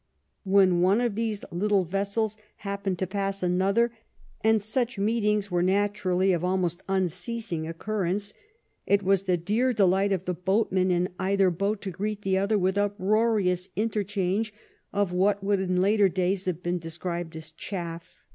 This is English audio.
When one of these little vessels happened to pass another, and such meetings were naturally of almost unceasing occurrence, it was the dear delight of the boatmen in either boat to greet the other with uproarious inter change of what would in later days have been de scribed as "chaff."